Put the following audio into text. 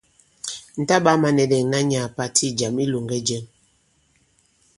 Ŋ̀ taɓā mānɛ̄nɛ̂k ìnà nyàà pàti ì jàm i ilōŋgɛ jɛŋ.